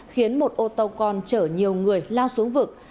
khiến một ô tàu con chở nhiều người lao xuống vực